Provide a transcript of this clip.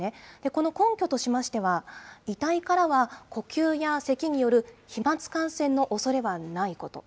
この根拠としましては、遺体からは呼吸やせきによる飛まつ感染のおそれはないこと。